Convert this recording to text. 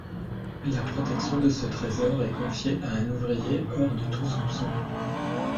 La protection de ce trésor est confiée à un ouvrier hors de tout soupçon.